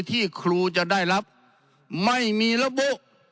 ที่ครูจะได้รับไม่มีระบุ